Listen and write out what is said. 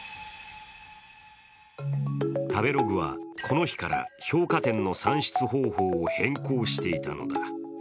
食べログはこの日から評価点の算出方法を変更していたのだ。